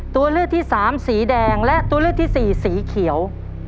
ตัวเลือกที่สามสีแดงและตัวเลือกที่สี่สีเขียว